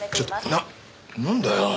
なっなんだよ？